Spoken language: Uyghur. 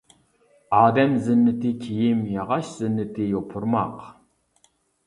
ئادەم زىننىتى كىيىم، ياغاچ زىننىتى يوپۇرماق.